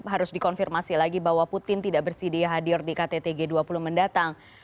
harus dikonfirmasi lagi bahwa putin tidak bersedia hadir di kttg dua puluh mendatang